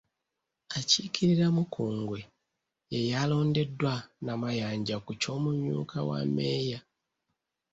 Akiikirira Mukungwe ye yalondeddwa Namayanja ku ky’omumyuka wa Mmeeya.